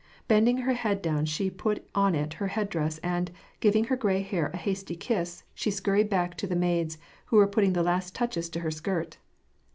Bending her head down, she put on it her headdress, and, giving her gray hair a hasty kiss, she scurried back to the maids, who were putting the last touches to her skirt.